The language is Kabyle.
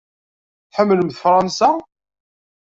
Tḥemmlemt Fṛansa?